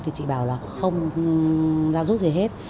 thì chị bảo là không ra rút gì hết